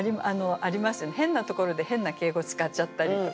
変なところで変な敬語使っちゃったりとか。